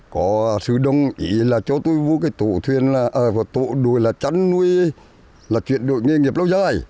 có sự đồng ý là cho tôi vô cái tụ đùi là chăn nuôi là chuyển đổi nghề nghiệp lâu dài